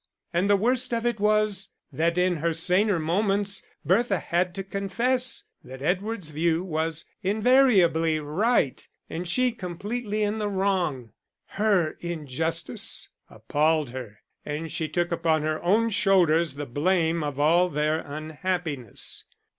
And the worst of it was that in her saner moments Bertha had to confess that Edward's view was invariably right and she completely in the wrong. Her injustice appalled her, and she took upon her own shoulders the blame of all their unhappiness.